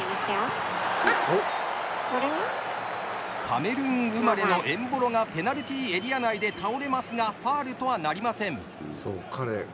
カメルーン生まれのエンボロがペナルティーエリア内で倒れますがファウルとはなりません。